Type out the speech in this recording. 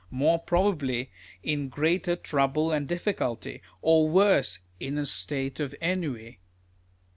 More probably, in greater trouble and difiiculty ; or worse, in a state of ennui